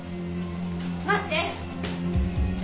待って！